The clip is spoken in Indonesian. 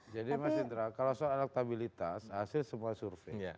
jadi mas indra kalau soal elektabilitas hasil semua survei